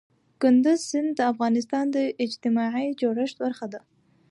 کندز سیند د افغانستان د اجتماعي جوړښت برخه ده.